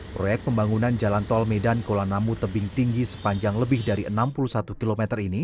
proyek pembangunan jalan tol medan kuala namu tebing tinggi sepanjang lebih dari enam puluh satu km ini